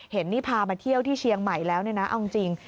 เห็นนี่พามาเที่ยวที่เชียงใหม่แล้วเนี่ยนะเอาจริง